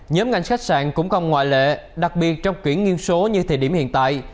nhóm ngành khách sạn cũng không ngoại lệ đặc biệt trong kiển nghiên số như thời điểm hiện tại